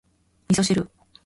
味噌汁